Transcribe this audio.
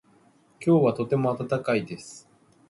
今日はとても暖かいです。